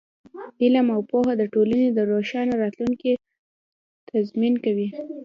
علم او پوهه د ټولنې د روښانه راتلونکي تضمین کوي.